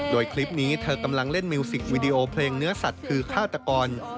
โดยคลิปนี้เธอกำลังเล่นมิวสิกวีดีโอเพลงเนื้อสัตว์คือฆาตกร